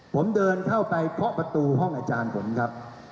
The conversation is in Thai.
ผมเดินเข้าไปเคาะประตูห้องอาจารย์ผมครับ